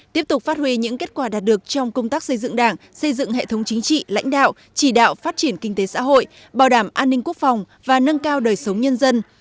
tiếp tục phát huy những kết quả đạt được trong công tác xây dựng đảng xây dựng hệ thống chính trị lãnh đạo chỉ đạo phát triển kinh tế xã hội bảo đảm an ninh quốc phòng và nâng cao đời sống nhân dân